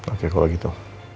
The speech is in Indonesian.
oke kalau gitu